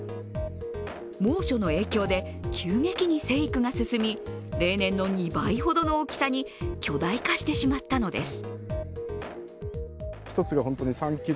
猛暑の影響で急激に生育が進み例年の２倍ほどの大きさに巨大化してしまったのです。